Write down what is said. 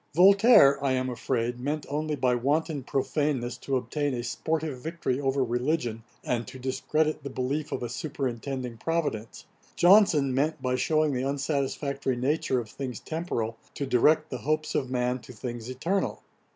Voltaire, I am afraid, meant only by wanton profaneness to obtain a sportive victory over religion, and to discredit the belief of a superintending Providence: Johnson meant, by shewing the unsatisfactory nature of things temporal, to direct the hopes of man to things eternal.